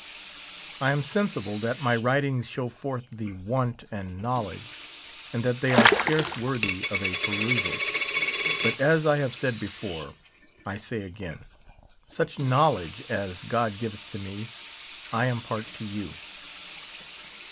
I am sensible that my writings show forth the want of knowledge, and that they are scarce worthy of a perusal. But as I have said before, I say again, such knowledge as God giveth to me, I impart, to you.